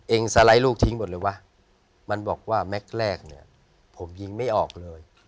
สไลด์ลูกทิ้งหมดเลยวะมันบอกว่าแม็กซ์แรกเนี่ยผมยิงไม่ออกเลย